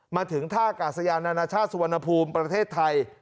มาถึงท่ากาศยานานาชาติสุวรรณภูมิประเทศไทย